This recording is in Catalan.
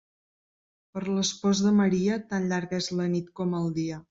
Per a l'espòs de Maria tan llarga és la nit com el dia.